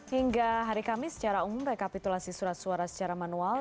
hingga hari kamis secara umum rekapitulasi surat suara secara manual